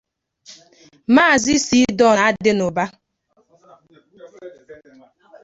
Maazị C-Don Adịnụba